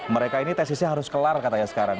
mereka ini tesisnya harus kelar katanya sekarang